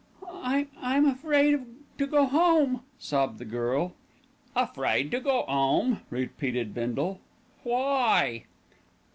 "I'm I'm afraid to go home," sobbed the girl. "Afraid to go 'ome," repeated Bindle. "Why?"